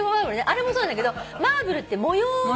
あれもそうなんだけどマーブルって模様。